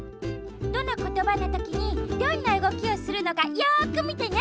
どのことばのときにどんなうごきをするのかよくみてね。